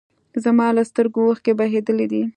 زما له سترګو اوښکې بهېدلي دي